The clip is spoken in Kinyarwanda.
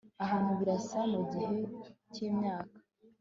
ahantu, birasa, mugihe cyimyaka